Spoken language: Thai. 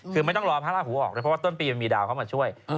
คือไม่ต้องรอพระราหูออกแต่ต้นปีมันมีดาวเขามาช่วย